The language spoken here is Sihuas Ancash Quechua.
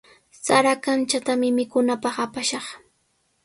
Sara kamchatami mikunanpaq apashqa.